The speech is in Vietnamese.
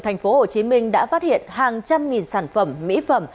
thành phố hồ chí minh đã phát hiện hàng trăm nghìn sản phẩm mỹ phẩm